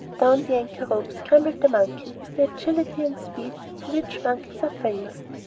Down the anchor rope scrambled the monkey with the agility and speed for which monkeys are famous.